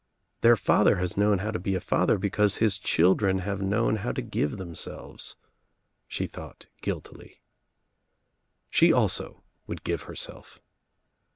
"Their father has known how to be a father because his children have known how to give themselves," she thought guiltily. She also would give herself.